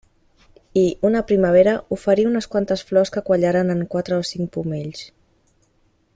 I, una primavera, oferí unes quantes flors que quallaren en quatre o cinc pomells.